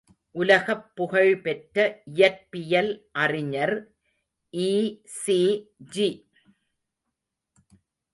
உலகப் புகழ்பெற்ற இயற்பியல் அறிஞர் ஈ.சி.ஜி.